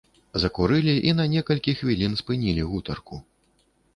Закурылі і на некалькі хвілін спынілі гутарку.